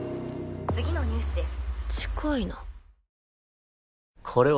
次のニュースです